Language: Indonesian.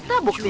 eta buknya ya